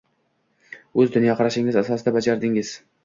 O’z dunyoqarashingiz asosida bajardingiz